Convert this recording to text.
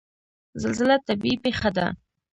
زلزله طبیعي پیښه ده